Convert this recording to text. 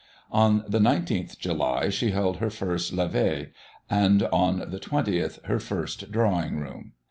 On the 19th July she held her first levee, and on the 20th her first drawing room.